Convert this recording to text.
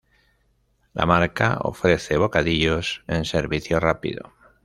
La marca ofrece bocadillos en servicio rápido.